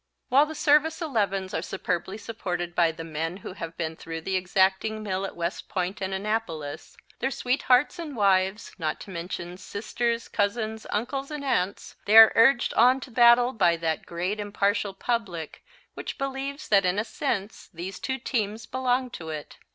While the Service Elevens are superbly supported by the men who have been through the exacting mill at West Point and Annapolis their sweethearts and wives, not to mention sisters, cousins, uncles and aunts they are urged on to battle by that great impartial public which believes that in a sense these two teams belong to it.